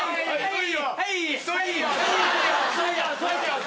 はい。